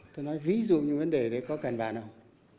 tôi nói ví dụ như vấn đề đấy có cần bạn không